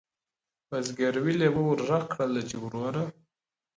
په زګېروي لېوه ورږغ کړله چي وروره!.